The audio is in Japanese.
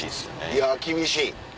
いや厳しい。